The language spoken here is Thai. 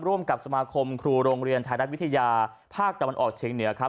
ร่วมกับสมาคมครูโรงเรียนไทยรัฐวิทยาภาคตะวันออกเชียงเหนือครับ